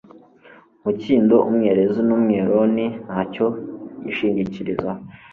Umukindo, umwerezi n'umweroni ntacyo byishingikirizaho,